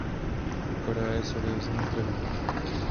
Korea je seriózním trhem.